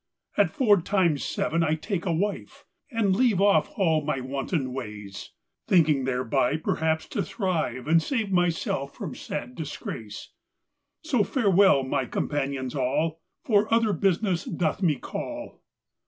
At four times seven I take a wife, And leave off all my wanton ways, Thinking thereby perhaps to thrive, And save myself from sad disgrace. So farewell my companions all, For other business doth me call.